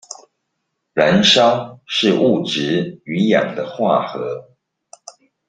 燃燒是物質與氧的化合